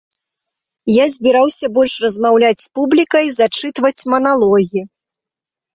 Я збіраўся больш размаўляць з публікай, зачытваць маналогі.